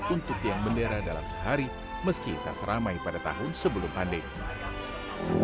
untuk tiang bendera dalam sehari meski tak seramai pada tahun sebelum pandemi